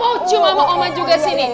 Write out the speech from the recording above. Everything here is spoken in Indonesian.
oh cuma mau oman juga sini